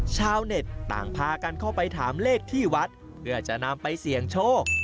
ชาวเน็ตต่างพากันเข้าไปถามเลขที่วัดเพื่อจะนำไปเสี่ยงโชค